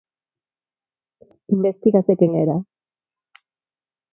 Investígase quen era.